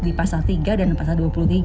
di pasal tiga dan pasal dua puluh tiga